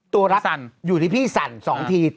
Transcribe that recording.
ตัวรักสั่นอยู่ที่พี่สั่น๒ที